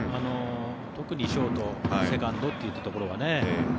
特にショートセカンドといったところはね。